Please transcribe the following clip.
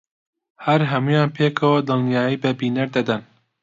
هەر هەموویان پێکەوە دڵنیایی بە بینەر دەدەن